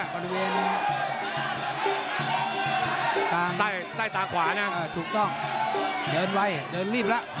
บริเวณใต้ตาขวานะถูกต้องเดินไวเดินรีบแล้ว